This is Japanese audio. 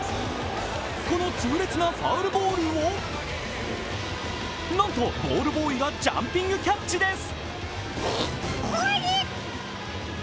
この痛烈なファウルボールをなんとボールボーイがジャンピングキャッチです。